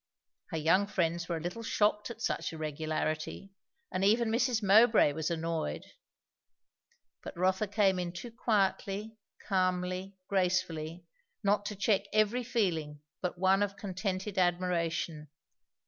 Her young friends were a little shocked at such irregularity, and even Mrs. Mowbray was annoyed; but Rotha came in too quietly, calmly, gracefully, not to check every feeling but one of contented admiration.